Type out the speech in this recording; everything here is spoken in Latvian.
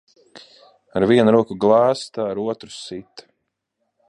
Ar vienu roku glāsta, ar otru sit.